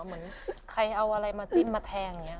เหมือนใครเอาอะไรมาจิ้มมาแทงอย่างนี้